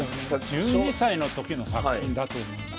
１２歳の時の作品だと思いますね。